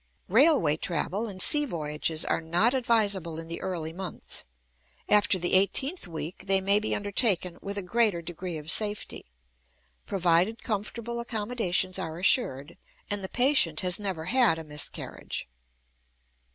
Railway travel and sea voyages are not advisable in the early months; after the eighteenth week they may be undertaken with a greater degree of safety, provided comfortable accommodations are assured, and the patient has never had a miscarriage.